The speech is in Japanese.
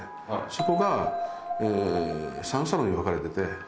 そこが三差路に分かれてて。